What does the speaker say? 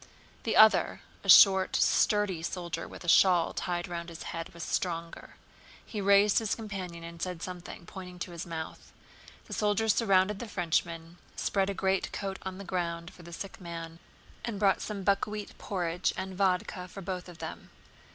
The other, a short sturdy soldier with a shawl tied round his head, was stronger. He raised his companion and said something, pointing to his mouth. The soldiers surrounded the Frenchmen, spread a greatcoat on the ground for the sick man, and brought some buckwheat porridge and vodka for both of them.